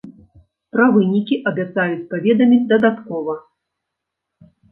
Пра вынікі абяцаюць паведаміць дадаткова.